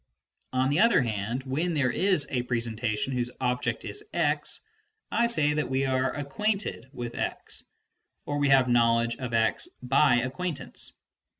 On the other hand, when there is a presenta tion whose object is x, I say that we are acquainted with x, or have knowledge of x by acquaintance.